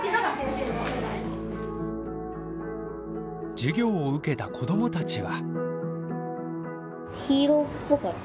授業を受けた子どもたちは。